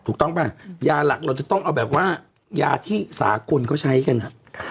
ถูกต้องป่ะยาหลักเราจะต้องเอาแบบว่ายาที่สากลเขาใช้กันฮะ